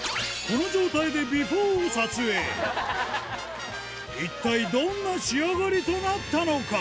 この状態で一体どんな仕上がりとなったのか？